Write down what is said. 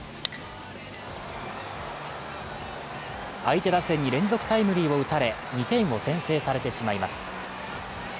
相手打線に連続タイムリーを打たれ、２点を先制されてしまいます。